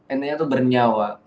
intinya itu bernyawa